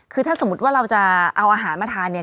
คือถ้าสมมุติว่าเราจะเอาอาหารมาทานเนี่ย